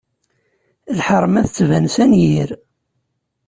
Lḥeṛma tettban s anyir.